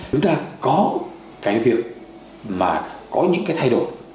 chúng ta có cái việc mà có những cái thay đổi